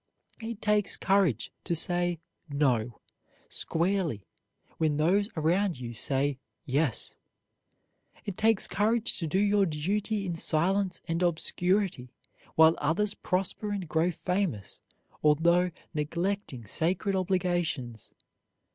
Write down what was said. It takes courage to say "No" squarely when those around you say "Yes." It takes courage to do your duty in silence and obscurity while others prosper and grow famous although neglecting sacred obligations.